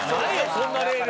そんなレール。